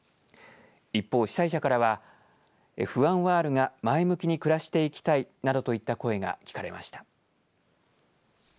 一方、被災者からは不安はあるが前向きに暮らしていきたいなどといった声が聞かれました。